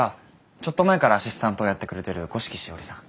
ちょっと前からアシスタントをやってくれている五色しおりさん。